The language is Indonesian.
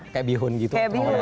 kayak bihun gitu